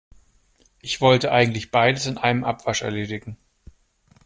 Ich wollte eigentlich beides in einem Abwasch erledigen.